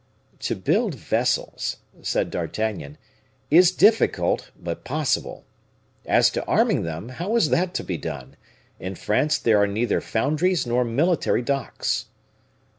"To build vessels," said D'Artagnan, "is difficult, but possible. As to arming them, how is that to be done? In France there are neither foundries nor military docks."